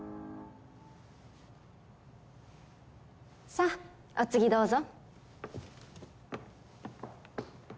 さあお次どうぞ。